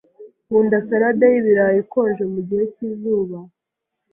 Nkunda salade y'ibirayi ikonje mugihe cyizuba.